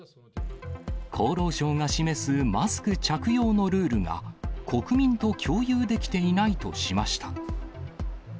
厚労省が示すマスク着用のルールが、国民と共有できていないとしました。